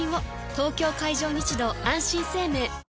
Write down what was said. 東京海上日動あんしん生命